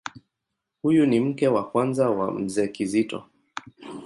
Huyu ni mke wa kwanza wa Mzee Kizito.